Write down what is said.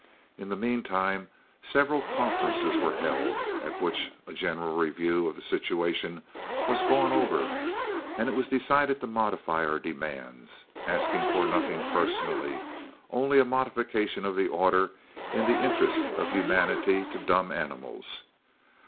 In the mean time several conferences were held, at which a general review of the situation was gone over, and it was decided to modify our demands, asking for nothing personally, only a modification of the order in the interest of humanity to dumb animals.